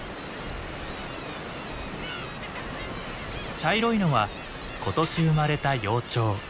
茶色いのは今年生まれた幼鳥。